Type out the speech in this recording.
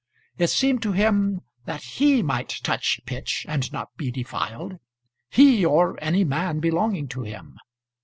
It seemed to him that he might touch pitch and not be defiled; he or any man belonging to him.